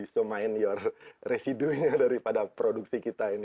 so main your residunya daripada produksi kita ini